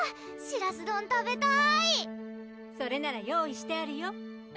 しらす丼食べたいそれなら用意してあるよ